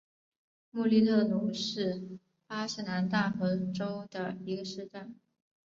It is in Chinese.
穆利特努是巴西南大河州的一个市镇。